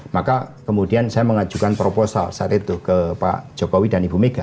maka kemudian saya mengajukan proposal saat itu ke pak jokowi dan ibu mega